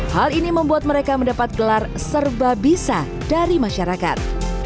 hal ini membuat mereka mendapat gelar serba bisa dari masyarakat